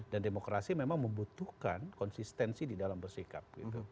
dan demokrasi memang membutuhkan konsistensi di dalam bersikap